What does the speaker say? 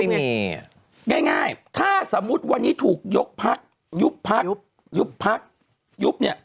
นี่ไงง่ายถ้าสมมุติวันนี้ถูกยกพักยุบพักยุบพักยุบเนี่ย